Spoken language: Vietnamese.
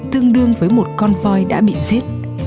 tương đương với một con voi đã bị giết